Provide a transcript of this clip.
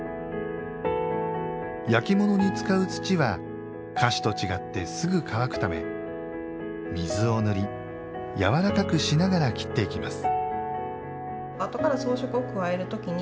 焼き物に使う土は菓子と違ってすぐ乾くため水を塗りやわらかくしながら切っていきます